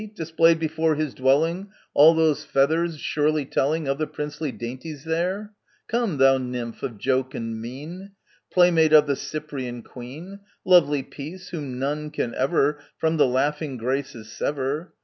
displayed before his dwelling All those feathers, surely telling Of the princely dainties there !* Come, thou nymph of jocund mien, Playmate of the Cyprian queen ! Lovely Peace ! whom none can ever From the laughing Graces sever